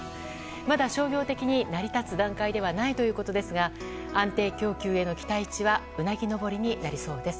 まだ商業的に成り立つ段階ではないということですが安定供給への期待値はうなぎ登りになりそうです。